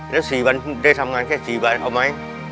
แล้ว๔วันได้ทำงานแค่๔วันเอาไหม